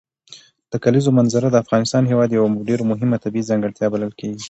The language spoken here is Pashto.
د کلیزو منظره د افغانستان هېواد یوه ډېره مهمه طبیعي ځانګړتیا بلل کېږي.